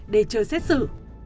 để chờ xét xử